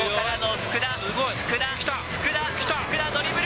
福田、福田、福田、ドリブル。